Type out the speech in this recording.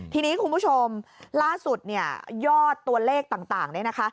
ทีนี้คุณผู้ชมล่าสุดเนี่ยยอดตัวเลขต่างเนี่ยนะคะ